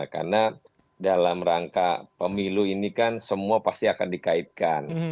karena dalam rangka pemilu ini kan semua pasti akan dikaitkan